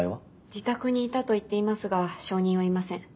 自宅にいたと言っていますが証人はいません。